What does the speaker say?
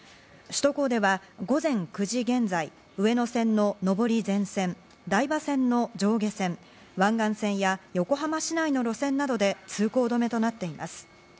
首都高では午前９時現在、上野線の上り全線、台場線の上下線、湾岸線や横浜市内の路線などで通行止めとなっています。